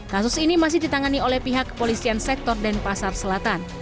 kasus ini masih ditangani oleh pihak kepolisian sektor denpasar selatan